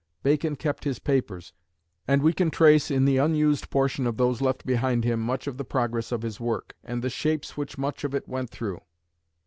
Bacon kept his papers, and we can trace in the unused portion of those left behind him much of the progress of his work, and the shapes which much of it went through.